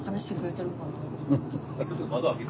ちょっと窓開けて。